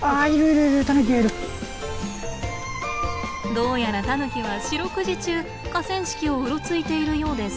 どうやらタヌキは四六時中河川敷をうろついているようです。